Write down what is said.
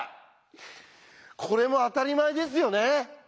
これもあたりまえですよね？